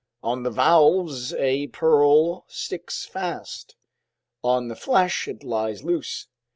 On the valves a pearl sticks fast; on the flesh it lies loose.